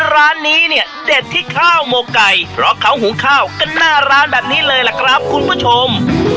ร้านนี้เนี่ยเด็ดที่ข้าวหมกไก่เพราะเขาหุงข้าวกันหน้าร้านแบบนี้เลยล่ะครับคุณผู้ชม